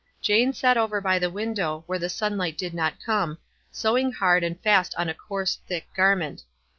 Jane sat over by the win dow, where the sunlight did not come, sewing hard and fast on a coarse, thick garment.